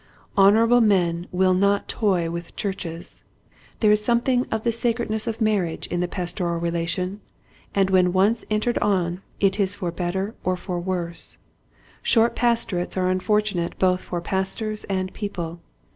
Honorable men will not toy with churches. There is something of the sacredness of marriage in the pastoral relation and when once entered on it is for better or for worse. Short pastorates are unfortunate both for pastors and people.